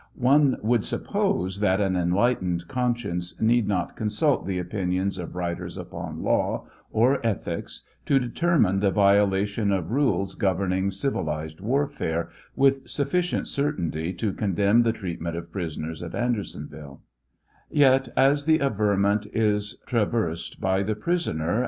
One would suppose that an enlightened conscience need not consult the opinions TRIAL OF HENEY WIEZ, 763 of writers upon law or ethics to detenniiie the violation of rules governing civ ilized warfare with sufficient certainty to condemn the treatment of prisoners at Andersonville ; yet, as the averment is traversed by the prisoner.